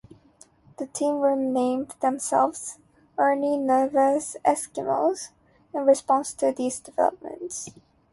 The team renamed themselves Ernie Nevers's Eskimos in response to these developments.